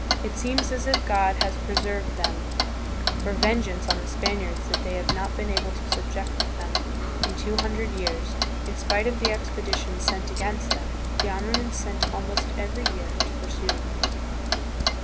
It seems as if God has preserved them for 154 THE PHILIPPINES. vengeance on the Spaniards that they have not been able to subject them in two hundred years, in spite of the expeditions sent against them, the armaments sent almost very year to pursue them.